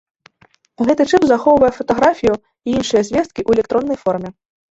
Гэты чып захоўвае фатаграфію і іншыя звесткі ў электроннай форме.